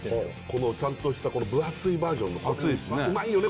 このちゃんとしたこの分厚いバージョンのうまいよね